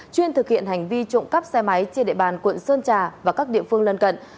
chuyên thực hiện hành vi trộm cắp xe máy trên địa bàn quận sơn trà và các địa phương lân cận